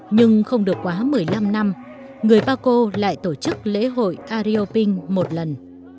nhưng không được quá một mươi năm năm người paco lại tổ chức lễ hội arioping một lần